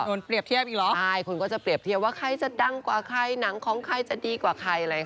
เปรียบเทียบอีกเหรอใช่คนก็จะเปรียบเทียบว่าใครจะดังกว่าใครหนังของใครจะดีกว่าใครเลยค่ะ